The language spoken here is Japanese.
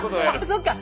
そっか。